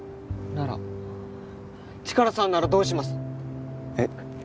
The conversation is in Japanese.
ならチカラさんならどうします？えっ？